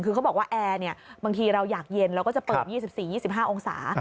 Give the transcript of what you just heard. คือเขาบอกว่าแอร์บางทีเราอยากเย็นเราก็จะเปิด๒๔๒๕องศา